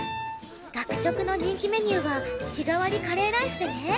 学食の人気メニューは日替わりカレーライスでね